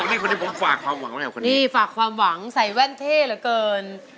นี่คนนี้ผมฝากความหวังอะไรกับคนนี้นี่ฝากความหวังใส่แว่นเท่เหลือเกิน